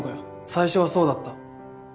最初はそうだった。